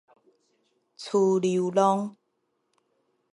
趨流籠